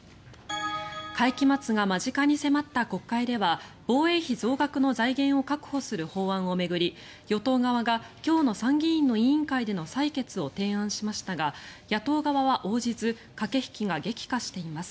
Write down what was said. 会期末が間近に迫った国会では防衛費増額の財源を確保する法案を巡り与党側が今日の参議院の委員会での採決を提案しましたが野党側は応じず駆け引きが激化しています。